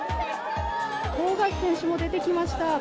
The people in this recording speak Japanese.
富樫選手も出てきました。